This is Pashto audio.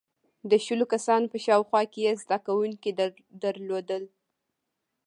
• د شلو کسانو په شاوخوا کې یې زدهکوونکي درلودل.